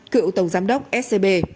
cựu tổng giám đốc scb